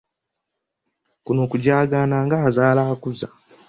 Kuno kujaagaana ng'azaala akuza!